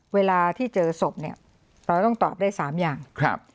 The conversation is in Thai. เวลาที่เจอศพเนี่ยเราต้องตอบได้สามอย่างครับ